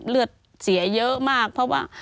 เลือดเสียเยอะมากเพราะว่า